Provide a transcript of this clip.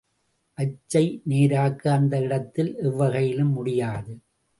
அச்சை நேராக்க, அந்த இடத்தில் எவ்வகையிலும் முடியாது.